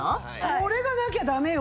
これがなきゃダメよ。